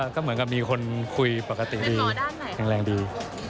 ก็เหมือนกับมีคนคุยปกติดีแข็งแรงดี